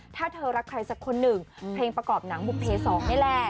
ถ้าเธอรักใครสักคนหนึ่งเพลงประกอบหนังบุภเพสองนี่แหละ